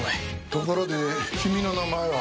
ところで君の名前は？